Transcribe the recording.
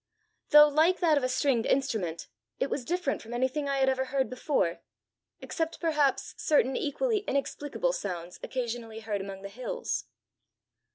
Though like that of a stringed instrument, it was different from anything I had ever heard before except perhaps certain equally inexplicable sounds occasionally heard among the hills."